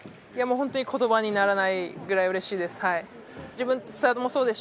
本当に言葉にならないぐらいうれしいです。